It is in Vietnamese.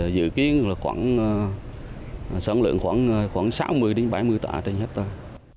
dự kiến sản lượng khoảng sáu mươi bảy mươi tỏi trên hết tỏi